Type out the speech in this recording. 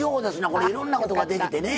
これいろんなことができてね。